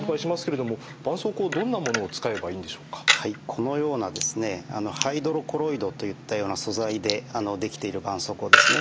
このようなハイドロコロイドといったような素材で出来ているばんそうこうですね